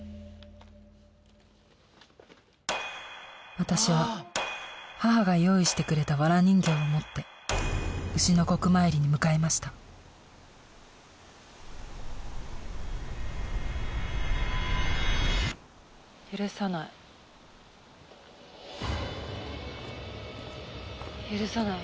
私は母が用意してくれたわら人形を持って丑の刻参りに向かいました許さない許さない